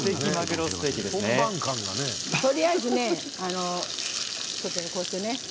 とりあえずね、こうして。